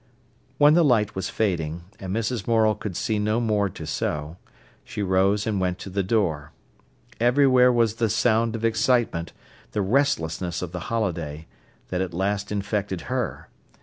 When the light was fading, and Mrs. Morel could see no more to sew, she rose and went to the door. Everywhere was the sound of excitement, the restlessness of the holiday, that at last infected her.